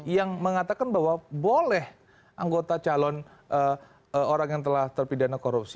yang mengatakan bahwa boleh anggota calon orang yang telah terpidana korupsi